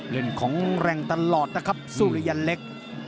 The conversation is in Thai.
เล่นของแรงตลอดนะครับสุริยันเล็ก